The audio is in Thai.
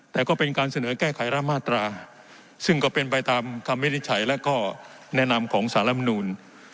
แต่ก็เป็นการเสนอแก้ไขรำมาตราซึ่งก็เป็นไปตามคำวินิจฉัยและข้อแนะนำของสารมนูล